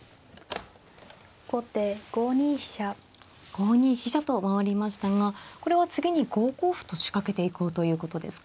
５二飛車と回りましたがこれは次に５五歩と仕掛けていこうということですか。